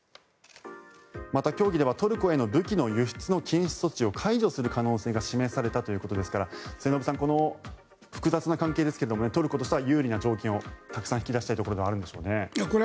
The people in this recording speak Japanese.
また、協議ではトルコへの武器の輸出禁止措置を解除する可能性が示されたということですから末延さん、複雑な関係ですがトルコとしては有利な条件をたくさん引き出したいところなんでしょうね。